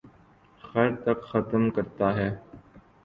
خر تک ختم کرتا ہے